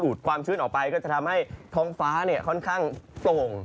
ความชื้นออกไปก็จะทำให้ท้องฟ้าเนี่ยค่อนข้างโปร่ง